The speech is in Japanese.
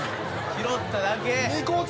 拾っただけ。